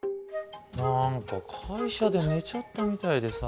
何か会社で寝ちゃったみたいでさ。